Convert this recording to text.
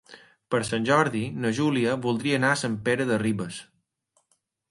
Per Sant Jordi na Júlia voldria anar a Sant Pere de Ribes.